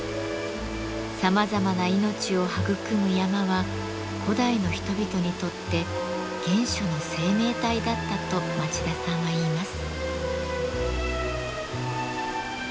さまざまな命を育む山は古代の人々にとって原初の生命体だったと町田さんはいいます。